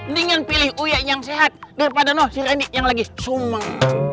ningen pilih uya yang sehat daripada noh si rendy yang lagi sumeng